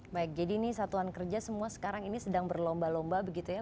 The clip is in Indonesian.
baik jadi ini satuan kerja semua sekarang ini sedang berlomba lomba begitu ya